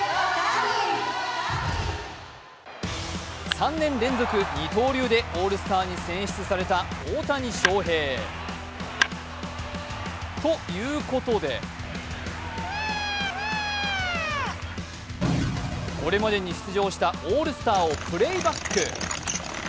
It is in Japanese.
３年連続二刀流でオールスターに選出された大谷翔平。ということで、これまでに出場したオールスターをプレイバック。